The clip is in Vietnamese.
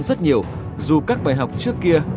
rất nhiều dù các bài học trước kia